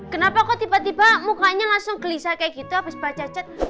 kenapa kok tiba tiba mukanya langsung gelisah kayak gitu abis baca cet